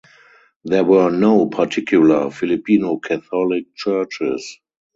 There were no particular Filipino Catholic churches.